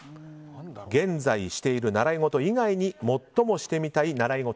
現在している習い事以外に最もしてみたい習い事。